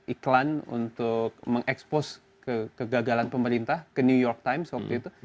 iklan untuk mengekspos kegagalan pemerintah ke new york times waktu itu